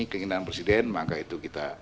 keinginan presiden maka itu kita